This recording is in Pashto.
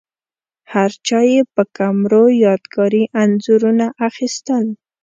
هرچا یې په کمرو یادګاري انځورونه اخیستل.